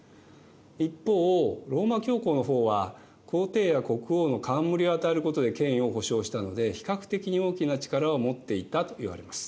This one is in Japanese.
一方ローマ教皇の方は皇帝や国王の冠を与えることで権威を保証したので比較的に大きな力を持っていたといわれます。